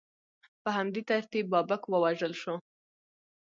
په همدې ترتیب بابک ووژل شو.